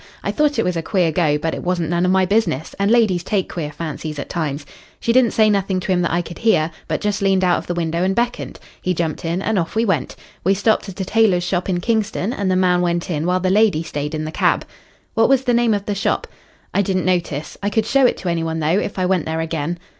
I thought it was a queer go, but it wasn't none of my business, and ladies take queer fancies at times. She didn't say nothing to him that I could hear, but just leaned out of the window and beckoned. He jumped in and off we went. We stopped at a tailor's shop in Kingston, and the man went in while the lady stayed in the cab." "What was the name of the shop?" "I didn't notice. I could show it to any one, though, if I went there again."